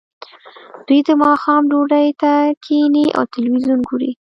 دوی د ماښام ډوډۍ ته کیښني او تلویزیون ګوري